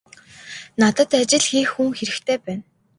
Надад ажил хийх хүн хэрэгтэй байна.